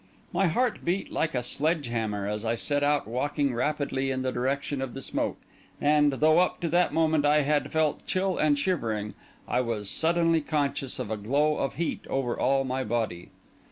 My heart beat like a sledge hammer as I set out walking rapidly in the direction of the smoke; and, though up to that moment I had felt chill and shivering, I was suddenly conscious of a glow of heat over all my body.